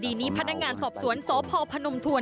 ดีนี้พนักงานสอบสวนสพพนมทวน